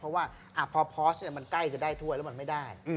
เพราะว่าพอพอสมันใกล้จะได้ถ้วยแล้วมันไม่ได้